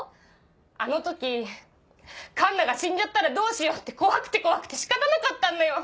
あの時奏奈が死んじゃったらどうしようって怖くて怖くて仕方なかったんだよ！